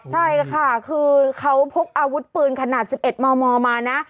ใช่ค่ะคือเขาพกอาวุธปืนขนาด๑๑มมมานะ